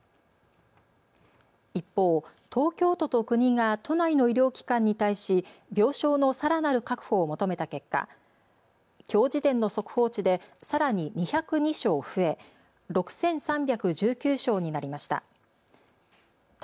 一方、東京都と国が都内の医療機関に対し病床のさらなる確保を求めた結果、きょう時点の速報値でさらに２０２床増え、６３１９床になりました。